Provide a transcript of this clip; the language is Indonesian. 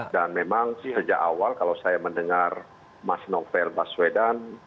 dan memang sejak awal kalau saya mendengar mas novel baswedan